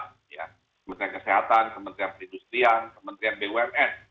kementerian kesehatan kementerian perindustrian kementerian bumn